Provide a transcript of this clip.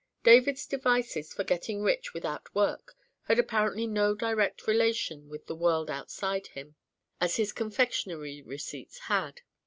David's devices for getting rich without work had apparently no direct relation with the world outside him, as his confectionery receipts had.